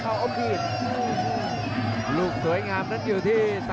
ขวางแขงขวาเจอเททิ้ง